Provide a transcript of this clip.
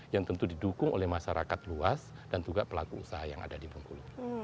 yang tentu didukung oleh masyarakat luas dan juga pelaku usaha yang ada di bengkulu